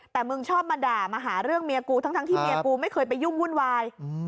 แต่มึงชอบมาด่ามาหาเรื่องเมียกูทั้งที่เมียกูไม่เคยไปยุ่งวุ่นวาย